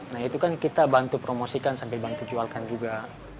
nah itu kan kita bantu promosikan sampai bantu jualkan juga